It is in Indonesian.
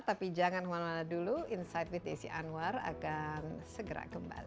tapi jangan kemana mana dulu insight with desi anwar akan segera kembali